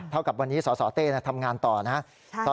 เท่ากับวันนี้สอเต้นะทำงานต่อนะฮะ